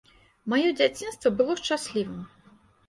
Маё дзяцінства было шчаслівым.